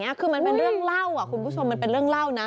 อันนี้คือมันเป็นเรื่องเล่าอ่ะคุณผู้ชมมันเป็นเรื่องเล่านะ